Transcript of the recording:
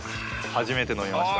初めて飲みました。